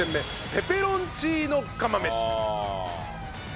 ペペロンチーノ。